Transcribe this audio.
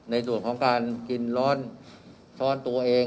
ในส่วนของการกินร้อนช้อนตัวเอง